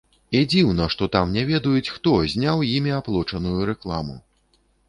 І дзіўна, што там не ведаюць, хто зняў імі аплочаную рэкламу.